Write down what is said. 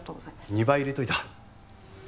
２倍入れておいた。